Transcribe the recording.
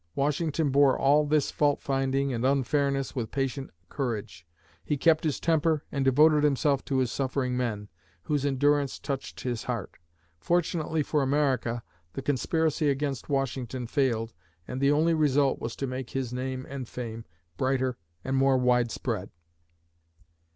Washington bore all this fault finding and unfairness with patient courage. He kept his temper and devoted himself to his suffering men, whose endurance touched his heart. Fortunately for America, the conspiracy against Washington failed and the only result was to make his name and fame brighter and more widespread.